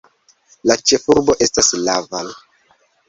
La ĉefurbo estas Laval.